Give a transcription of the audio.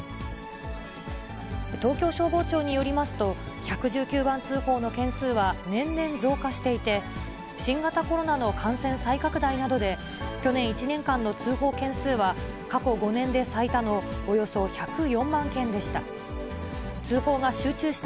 東京消防庁によりますと、１１９番通報の件数は年々増加していて、新型コロナの感染再拡大などで、去年１年間の通報件数は、過去５年で最多のおよそ１０４万件でした。